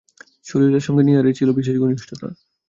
সলিলার সঙ্গে নীহারের ছিল বিশেষ ঘনিষ্ঠতা।